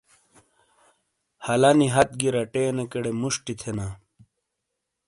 ہَلانی ہت گی رٹینیکیڑے مُشٹی تھینا۔